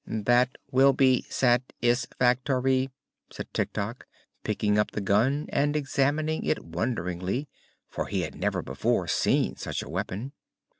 "That will be sat is fac tor y," said Tik Tok, picking up the gun and examining it wonderingly, for he had never before seen such a weapon.